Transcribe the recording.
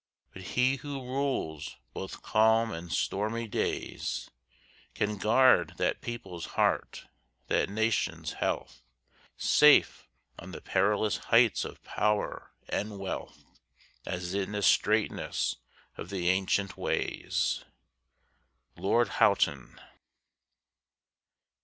But He who rules both calm and stormy days, Can guard that people's heart, that nation's health, Safe on the perilous heights of power and wealth, As in the straitness of the ancient ways. LORD HOUGHTON.